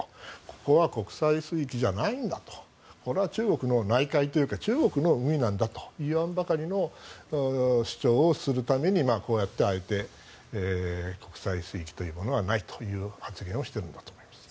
ここは国際水域じゃないんだとこれは中国の内海というか中国の海なんだといわんばかりの主張をするためにこうやってあえて国際水域というものはないという発言をしているんだと思います。